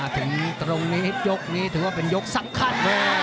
ถึงตรงนี้ยกนี้ถือว่ามันเป็นยกสังคัน